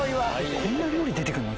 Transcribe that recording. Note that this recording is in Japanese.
こんな料理出て来るの？